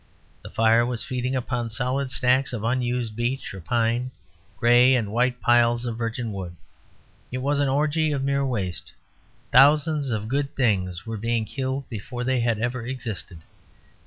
The fire was feeding upon solid stacks of unused beech or pine, gray and white piles of virgin wood. It was an orgy of mere waste; thousands of good things were being killed before they had ever existed.